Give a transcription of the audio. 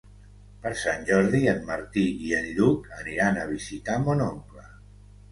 Per Sant Jordi en Martí i en Lluc aniran a visitar mon oncle.